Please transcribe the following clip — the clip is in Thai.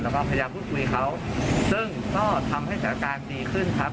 แล้วก็พยายามพูดคุยเขาซึ่งก็ทำให้สถานการณ์ดีขึ้นครับ